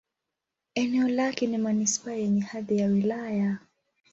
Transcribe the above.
Eneo lake ni manisipaa yenye hadhi ya wilaya.